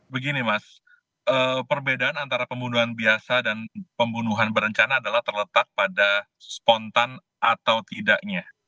begini mas perbedaan antara pembunuhan biasa dan pembunuhan berencana adalah terletak pada spontan atau tidaknya